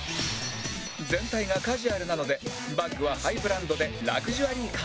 全体がカジュアルなのでバッグはハイブランドでラグジュアリー感も